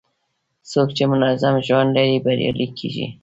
څوک چې منظم ژوند لري، بریالی کېږي.